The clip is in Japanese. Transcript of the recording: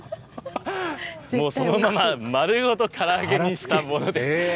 もうそのまままるごとから揚げにしたものです。